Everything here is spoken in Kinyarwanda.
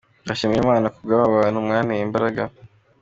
Ndashimira Imana kubw’abo bantu, mwanteye imbaraga.